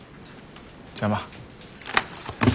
邪魔。